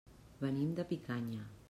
Venim de Picanya.